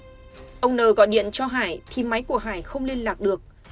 sau đó ông n gọi điện cho hải thì máy của hải không liên lạc được